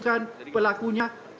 dan pelaku penyiraman